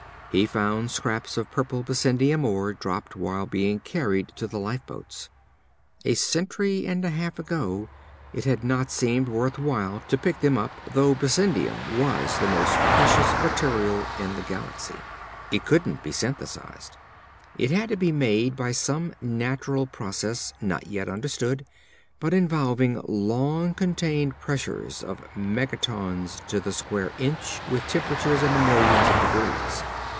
He found scraps of purple bessendium ore dropped while being carried to the lifeboats. A century and a half ago it had not seemed worth while to pick them up, though bessendium was the most precious material in the galaxy. It couldn't be synthesized. It had to be made by some natural process not yet understood, but involving long continued pressures of megatons to the square inch with temperatures in the millions of degrees.